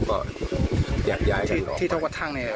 พี่รักแทนที่เขาก็ทางไหน